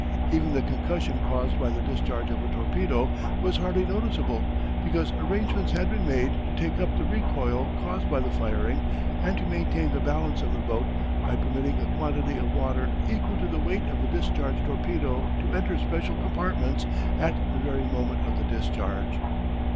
Even the concussion caused by the discharge of a torpedo was hardly noticeable because arrangements had been made to take up the recoil caused by the firing and to maintain the balance of the boat by permitting a quantity of water equal to the weight of the discharged torpedo to enter special compartments at the very moment of the discharge.